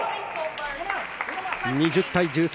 ２０対１３